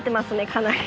かなり。